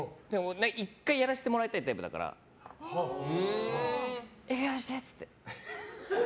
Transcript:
１回やらせてもらいたいタイプだから。やらせて！って言って。